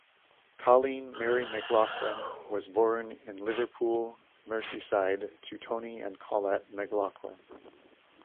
Coleen Mary McLoughlin was born in Liverpool, Merseyside, to Tony and Colette McLoughlin.